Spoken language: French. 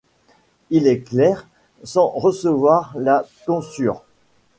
Il est clerc sans recevoir la tonsure.